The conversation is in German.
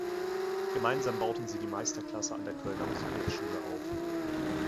Gemeinsam bauten sie die Meisterklasse an der Kölner Musikhochschule auf.